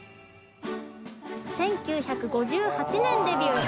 １９５８年デビュー